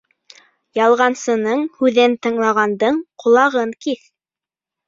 Ялғансының һүҙен тыңлағандың ҡолағын киҫ.